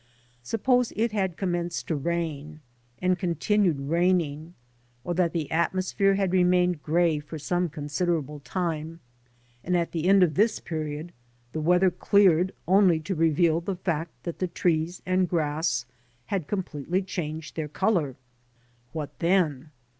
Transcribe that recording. Suppose it had commenced to rain, and continued raining, or that the atmosphere had remained grey for some considerable time, and at the end of this period the weather cleared only to reveal the fact that the trees and grass had completely changed their colour! What then?